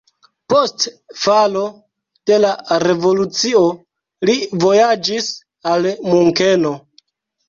Post falo de la revolucio li vojaĝis al Munkeno.